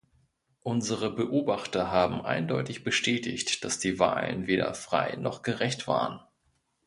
Unsere Beobachter haben eindeutig bestätigt, dass die Wahlen weder frei noch gerecht waren.